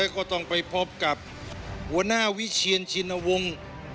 ก็ต้องไปพบกับหัวหน้าวิเชียนชินวงศ์